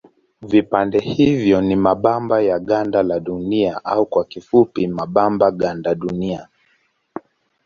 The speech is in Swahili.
Vipande hivyo ni mabamba ya ganda la Dunia au kwa kifupi mabamba gandunia.